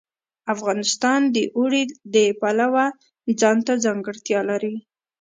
افغانستان د اوړي د پلوه ځانته ځانګړتیا لري.